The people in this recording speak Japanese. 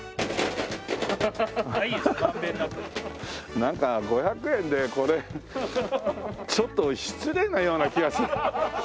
なんか５００円でこれちょっと失礼なような気がする。